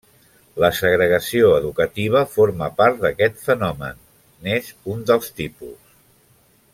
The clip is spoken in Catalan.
La segregació educativa forma part d'aquest fenomen, n'és un dels tipus.